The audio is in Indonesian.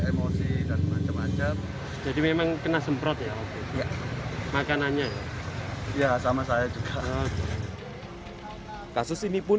emosi dan macam macam jadi memang kena semprot ya oke makanannya ya sama saya juga kasus ini pun